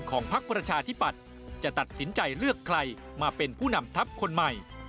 พักประชาธิปัตย์จะตัดสินใจเลือกใครมาเป็นผู้นำทัพคนใหม่